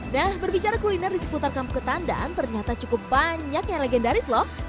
nah berbicara kuliner di seputar kampung ketandan ternyata cukup banyak yang legendaris loh